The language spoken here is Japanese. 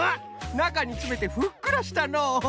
なかにつめてふっくらしたのう。